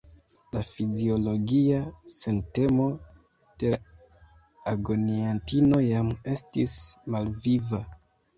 La fiziologia sentemo de la agoniantino jam estis malviva.